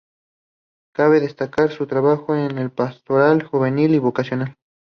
Cabe destacar su trabajo en la pastoral juvenil y vocacional.